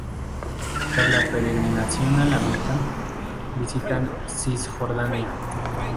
Tras la peregrinación a La Meca, visitan Cisjordania.